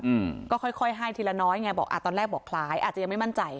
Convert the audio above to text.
อืมก็ค่อยค่อยให้ทีละน้อยไงบอกอ่าตอนแรกบอกคล้ายอาจจะยังไม่มั่นใจ